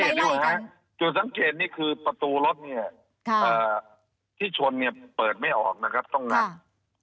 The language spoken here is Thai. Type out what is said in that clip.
ส่วนสังเกตนี่คือประตูรถนี่ที่ชนเปิดไม่ออกนะครับต้องนั่ง